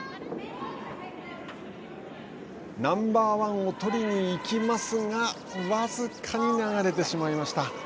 ナンバーワンを取りにいきますが僅かに流れてしまいました。